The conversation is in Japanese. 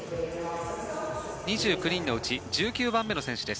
２９人のうち１９番目の選手です。